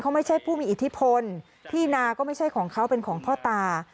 เขาไม่ใช่ผู้มีอิทธิพลที่นาก็ไม่ใช่ของเขาเป็นของพ่อตา